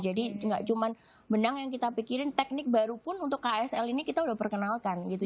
jadi nggak cuman benang yang kita pikirin teknik baru pun untuk ksl ini kita udah perkenalkan gitu